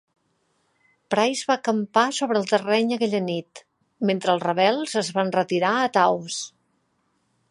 Price va acampar sobre el terreny aquella nit, mentre els rebels es van retirar a Taos.